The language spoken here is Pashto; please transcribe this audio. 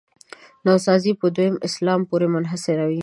نوسازي په دویم اسلام پورې منحصروي.